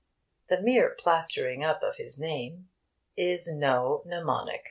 The mere plastering up of his name is no mnemonic.